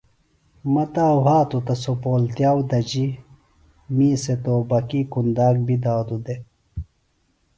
مہ تا وھاتوۡ تہ، سوۡ پولتِیاؤ دجیۡ، می سےۡ توبکی کُنداک بیۡ دادوۡ دےۡ